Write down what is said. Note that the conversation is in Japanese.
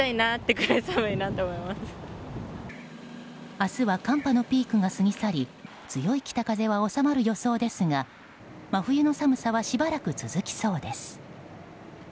明日は寒波のピークが過ぎ去り強い北風は収まる予想ですが真冬の寒さはしばらく続きそうです。